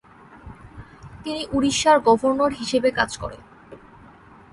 তিনি উড়িষ্যার গভর্নর হিসেবে কাজ করেন।